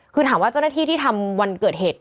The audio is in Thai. คือถามว่าเจ้าหน้าที่ที่ทำวันเกิดเหตุ